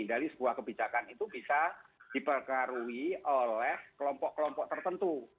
dari sebuah kebijakan itu bisa diperkaruhi oleh kelompok kelompok tertentu